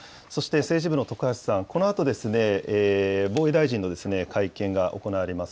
そして政治部の徳橋さん、このあと防衛大臣の会見が行われます。